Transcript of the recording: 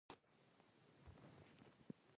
انګور د افغانستان د بډایه طبیعت یوه ډېره ښکلې برخه ده.